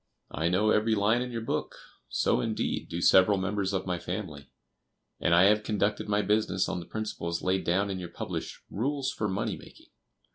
I know every line in your book; so, indeed, do several members of my family; and I have conducted my business on the principles laid down in your published 'Rules for Money making.